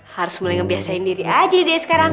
harus mulai ngebiasain diri aja deh sekarang